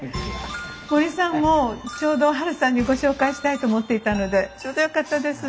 森さんもちょうどハルさんにご紹介したいと思っていたのでちょうどよかったです。